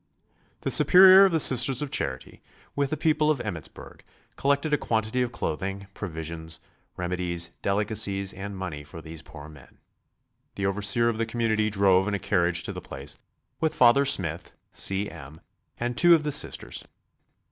The Superior of the Sisters of Charity, with the people of Emmittsburg, collected a quantity of clothing, provisions, remedies, delicacies and money for these poor men. The overseer of the community drove in a carriage to the place, with Father Smith, C. M., and two of the Sisters.